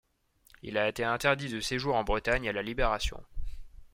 Il a été interdit de séjour en Bretagne à la Libération.